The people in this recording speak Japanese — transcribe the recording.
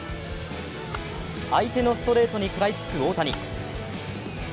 相手のストレートに食らいつく大谷。